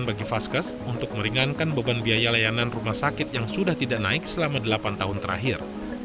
dan bagi faskes untuk meringankan beban biaya layanan rumah sakit yang sudah tidak naik selama delapan tahun terakhir